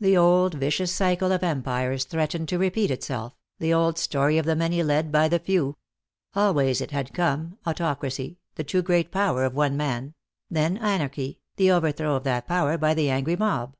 The old vicious cycle of empires threatened to repeat itself, the old story of the many led by the few. Always it had come, autocracy, the too great power of one man; then anarchy, the overthrow of that power by the angry mob.